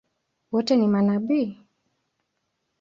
Wote ni manabii?